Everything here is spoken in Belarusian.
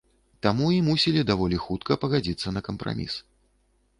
Таму і мусілі даволі хутка пагадзіцца на кампраміс.